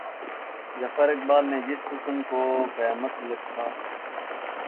ظفر اقبال نے جس حُسن کو قامت لکھا